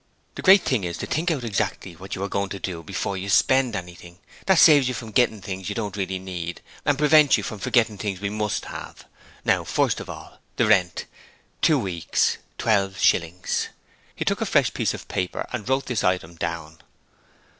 The great thing is to think out exactly what you are going to do before you spend anything; that saves you from getting things you don't really need and prevents you forgetting the things you MUST have. Now, first of all, the rent; two weeks, twelve shillings.' He took a fresh piece of paper and wrote this item down.